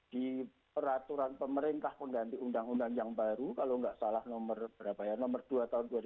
di peraturan pemerintah pengganti undang undang yang baru kalau nggak salah nomor berapa ya nomor dua tahun dua ribu dua